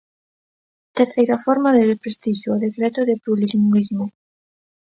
Terceira forma de desprestixio: o Decreto do plurilingüismo.